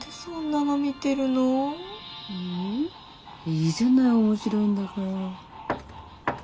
いいじゃない面白いんだから。